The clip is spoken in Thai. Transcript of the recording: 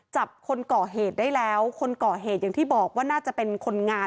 จับคนก่อเหตุได้แล้วคนก่อเหตุอย่างที่บอกว่าน่าจะเป็นคนงาน